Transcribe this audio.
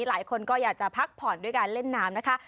หลายคนก็อยากจะพักผ่อนด้วยการเล่นน้ำนะคะ